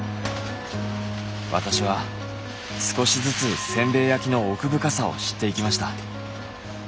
私は少しずつせんべい焼きの奥深さを知っていきました。